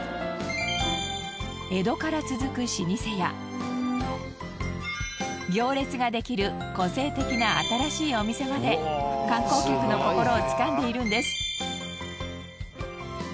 江戸から続く老舗や行列ができる個性的な新しいお店まで観光客の心をつかんでいるんです。